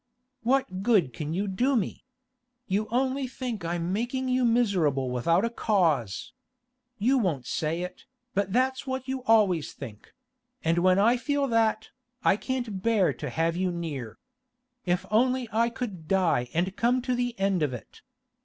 'What good can you do me? You only think I'm making you miserable without a cause. You won't say it, but that's what you always think; and when I feel that, I can't bear to have you near. If only I could die and come to the end of it!